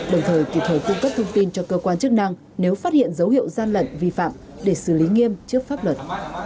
đồng thời kịp thời cung cấp thông tin cho cơ quan chức năng nếu phát hiện dấu hiệu gian lận vi phạm để xử lý nghiêm trước pháp luật